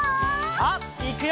さあいくよ！